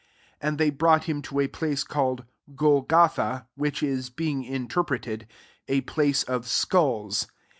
2£ And they brought him to a place called Golgotha; which is, being interpreted, A place of sculls.